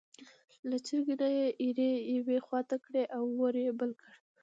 له چرګۍ نه یې ایرې یوې خوا ته کړې او اور یې بل کړ.